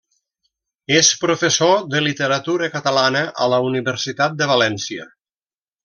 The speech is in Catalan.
És professor de Literatura Catalana a la Universitat de València.